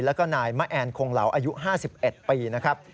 และแม่แอนคงเหล่าอายุ๕๑ปีนะครับ